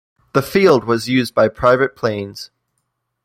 The field was used by private planes.